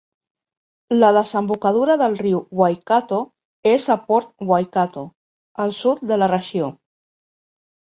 La desembocadura del riu Waikato és a Port Waikato, al sud de la regió.